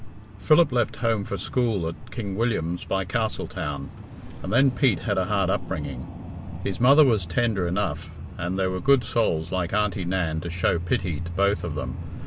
IV. Philip left home for school at King William's by Castletown, and then Pete had a hard upbringing. His mother was tender enough, and there were good souls like Aunty Nan to show pity to both of them.